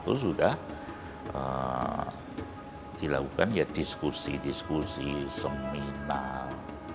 terus sudah dilakukan diskusi diskusi seminal